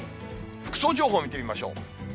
服装情報見てみましょう。